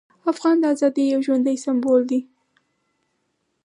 افغان د ازادۍ یو ژوندی سمبول دی.